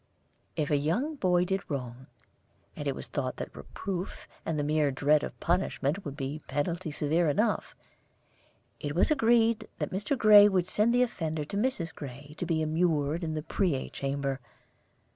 If a young boy did wrong, and it was thought that reproof and the mere dread of punishment would be penalty severe enough, it was agreed that Mr. Gray would send the offender to Mrs. Gray to be immured in the Preay Chamber.